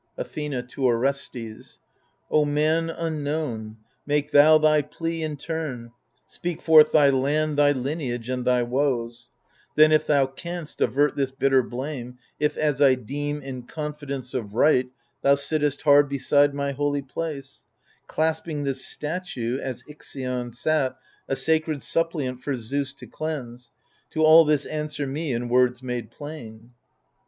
Athena (to Orestes) O man unknown, make thou thy plea in turn. Speak forth thy land, thy lineage, and thy woes ; Then, if thou canst, avert this bitter blame — If, as I deem, in confidence of right Thou sittest hard beside my holy place, Clasping this statue, as Ixion sat, A sacred suppliant for Zeus to cleanse, — To all this answer me in words made plain.